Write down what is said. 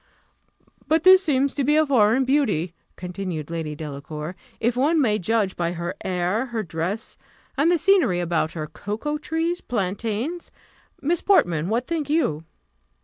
"But this seems to be foreign beauty," continued Lady Delacour, "if one may judge by her air, her dress, and the scenery about her cocoa trees, plantains: Miss Portman, what think you?"